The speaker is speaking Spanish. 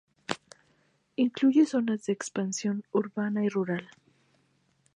Incluye zonas de expansión urbana y rural.